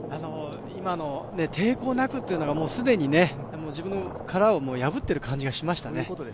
今の抵抗なくというのが既に自分の殻を破ってる感じがしましたね。